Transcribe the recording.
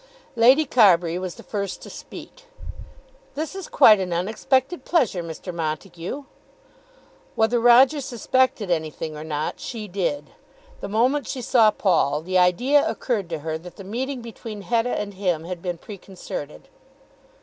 Lady Carbury was the first to speak. "This is quite an unexpected pleasure, Mr. Montague." Whether Roger suspected anything or not, she did. The moment she saw Paul the idea occurred to her that the meeting between Hetta and him had been preconcerted.